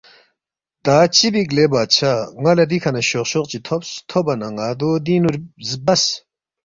”تا چِہ بیک لے بادشاہ ن٘ا لہ دیکھہ نہ شوقشوق چی تھوبس تھوبا نہ ن٘ا دو دینگ نُو زبَس